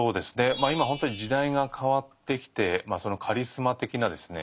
まあ今ほんとに時代が変わってきてカリスマ的なですね